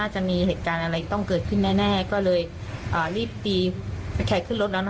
ฉันชัดรักษาล่ะนะครับ